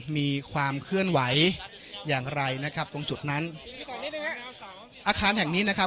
มีความเคลื่อนไหวอย่างไรนะครับตรงจุดนั้นอาคารแห่งนี้นะครับ